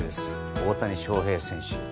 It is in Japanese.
大谷翔平選手